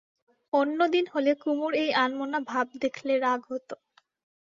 অন্য দিন হলে কুমুর এই আনমনা ভাব দেখলে রাগ হত।